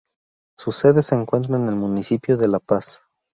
Su sede se encuentra en el municipio de La Paz.